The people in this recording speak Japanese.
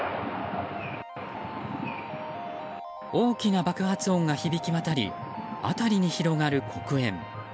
大きな爆発音が響き渡り辺りに広がる黒煙。